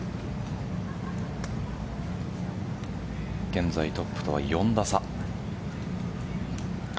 現在トップとは４打差。